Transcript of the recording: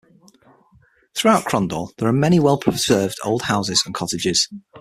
Throughout Crondall there are many well-preserved old houses and cottages.